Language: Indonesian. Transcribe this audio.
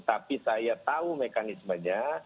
tapi saya tahu mekanismenya